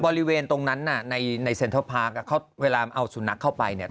บริเวณตรงนั้นน่ะในเซ็นทรัลพาร์คเขาเวลาเอาสุนัขเข้าไปเนี่ย